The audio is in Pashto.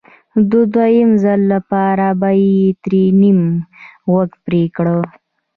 د دویم ځل لپاره به یې ترې نیم غوږ پرې کړ